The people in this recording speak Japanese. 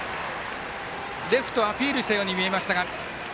レフト、アピールしたように見えましたが。